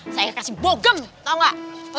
saya kasih bogem tau gak